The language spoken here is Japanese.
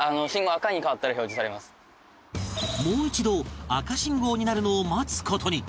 もう一度赤信号になるのを待つ事に